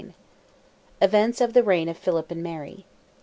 EVENTS OF THE REIGN OF PHILIP AND MARY.